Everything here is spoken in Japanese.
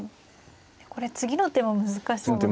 これ次の手も難しそうですね。